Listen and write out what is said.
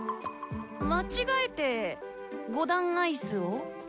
間違えて５段アイスを？